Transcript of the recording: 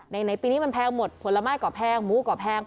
ในปีนี้มันแพงหมดผลไม้ก็แพงหมูก่อแพง